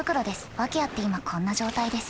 訳あって今こんな状態です。